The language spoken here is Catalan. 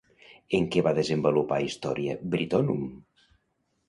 En què va desenvolupar Historia Brittonum?